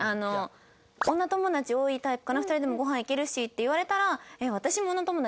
「女友達多いタイプかな２人でもご飯行けるし」って言われたら。